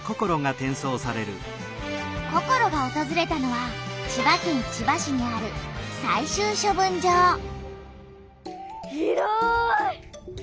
ココロがおとずれたのは千葉県千葉市にある広い！